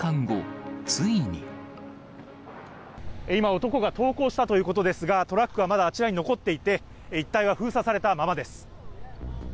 今、男が投降したということですが、トラックはまだあちらに残っていて、一帯は封鎖されたままです。